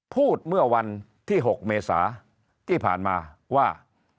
เมื่อวันที่๖เมษาที่ผ่านมาว่า